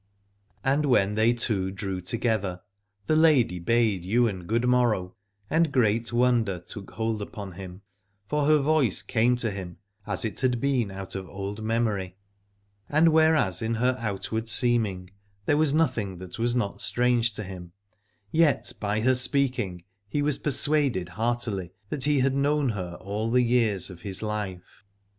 And when they two drew together the lady bade Ywain good morrow, and great wonder took hold upon him : for her voice came to 54 Aladore him as it had been out of old memory, and whereas in her outward seeming there was nothing that was not strange to him, yet by her speaking he was persuaded heartily that he had known her all the years of his life.